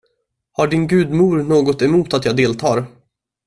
Har din gudmor något emot att jag deltar?